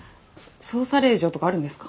捜査令状とかあるんですか？